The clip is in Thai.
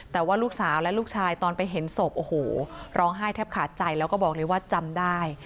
แต่ว่าลูกสาวและลูกชายตอนไปเห็นศพโอ้โหร้องไห้แทบขาดใจแล้วก็บอกเลยว่าจำได้